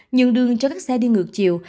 nhường đường cho các xe đi ngược chiều